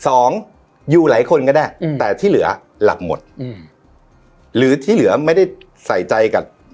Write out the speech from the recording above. สองอยู่หลายคนก็ได้อืมแต่ที่เหลือหลับหมดอืมหรือที่เหลือไม่ได้ใส่ใจกับ